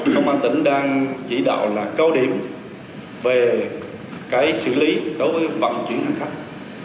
công an tỉnh đang chỉ đạo là cao điểm về xử lý đối với vận chuyển hành khách